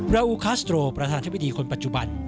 ราอูคาสโตรประธานธิบดีคนปัจจุบัน